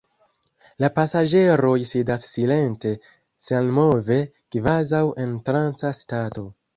La pasaĝeroj sidas silente, senmove, kvazaŭ en tranca stato.